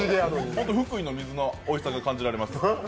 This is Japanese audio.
ホント、福井の水のおいしさが感じられます。